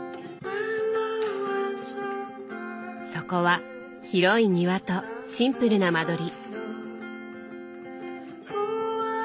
そこは広い庭とシンプルな間取り。